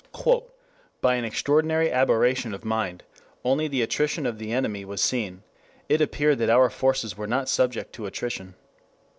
"By an extraordinary aberration of mind, only the attrition of the enemy was seen; it appeared that our forces were not subject to attrition.